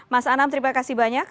mas anam terima kasih banyak